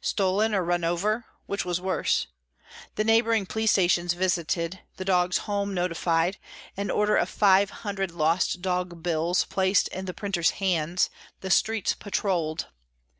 Stolen or run over? Which was worst? The neighbouring police stations visited, the Dog's Home notified, an order of five hundred "Lost Dog" bills placed in the printer's hands, the streets patrolled!